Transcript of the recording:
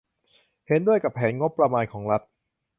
เห็นด้วยกับแผนงบประมาณของรัฐ